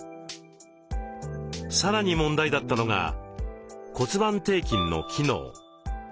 さらに問題だったのが骨盤底筋の機能。